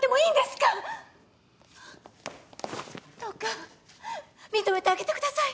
どうか認めてあげてください！